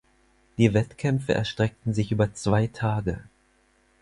Die Wettkämpfe erstreckten sich über zwei Tage.